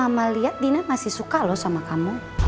atau mama liat dina masih suka lo sama kamu